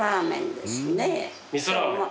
みそラーメン。